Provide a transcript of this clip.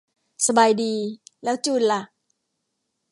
สบายดี แล้วจูนล่ะ